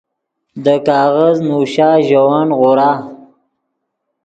دے کاغذ نوشا ژے ون غورا